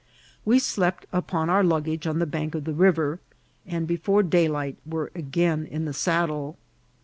We slept upon our luggage on the bank of the river, and before daylight were again in the saddle.